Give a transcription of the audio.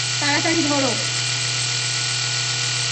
তাড়াতাড়ি, ধরো।